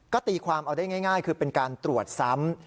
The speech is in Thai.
ก็ตีความเอาได้ง่ายคือเป็นการตรวจซ้ำ